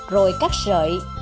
rồi cắt sợi